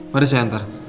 pada saya ntar